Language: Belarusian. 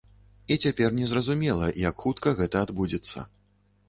І цяпер не зразумела, як хутка гэта адбудзецца.